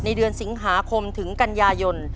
เดือนสิงหาคมถึงกันยายน